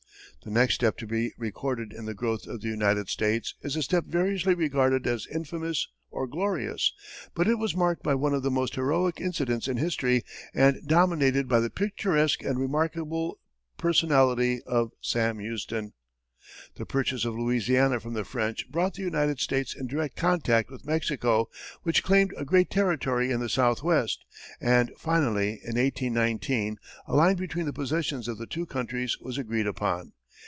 The next step to be recorded in the growth of the United States is a step variously regarded as infamous or glorious but it was marked by one of the most heroic incidents in history, and dominated by the picturesque and remarkable personality of Sam Houston. The purchase of Louisiana from the French brought the United States in direct contact with Mexico, which claimed a great territory in the southwest, and, finally, in 1819, a line between the possessions of the two countries was agreed upon.